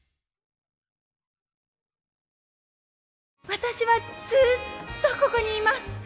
私はずっとここにいます。